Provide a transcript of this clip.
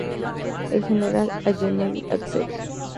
El general Allenby accede.